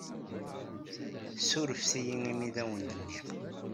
Ssurfet-iyi imi ay awen-d-nniɣ.